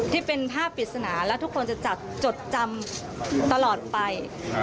ที่เป็นภาพปริศนาและทุกคนจะจัดจดจำตลอดไป